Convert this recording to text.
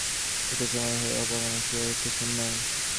সে কুসুম নয়, হে ভগবান, সে কুসুম নয়।